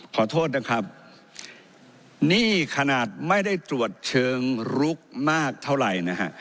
ขอโทษนะครับนี่ขนาดไม่ได้ตรวจเชิงลุกมากเท่าไหร่นะฮะ